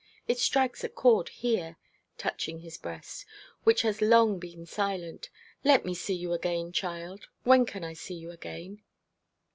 It strikes a chord here,' touching his breast, 'which has long been silent. Let me see you again, child. When can I see you again?'